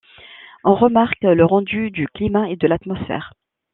On remarque le rendu du climat et de l’atmosphère.